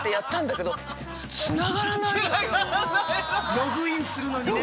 ログインするのにね。